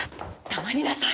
黙りなさい。